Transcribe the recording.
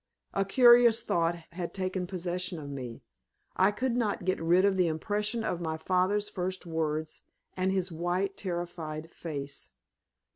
A curious thought had taken possession of me. I could not get rid of the impression of my father's first words, and his white, terrified face.